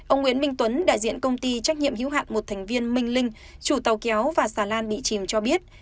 ông nguyễn minh tuấn đại diện công ty trách nhiệm hữu hạn một thành viên minh linh chủ tàu kéo và xà lan bị chìm cho biết